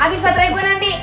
abis baterai gue nanti